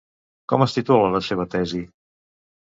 Com es titula la seva tesi?